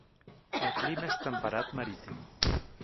El clima és temperat marítim.